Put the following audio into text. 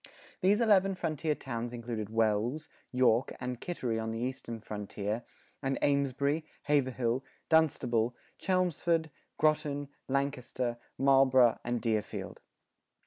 [42:1] These eleven frontier towns included Wells, York, and Kittery on the eastern frontier, and Amesbury, Haverhill, Dunstable, Chelmsford, Groton, Lancaster, Marlborough,[42:2] and Deerfield.